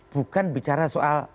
bukan bicara soal